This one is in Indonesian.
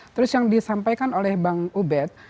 terus yang disampaikan oleh bang ubed